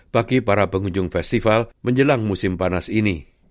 bagi para pengunjung festival menjelang musim panas ini